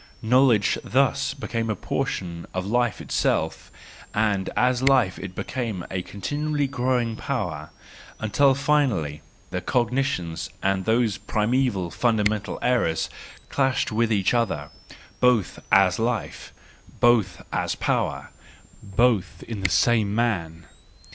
Knowledge, thus became a portion of life itself, and as life it became a continually growing power: until finally the cognitions and those primeval, fundamental errors clashed with each other, both as life, both as power, both in the same man.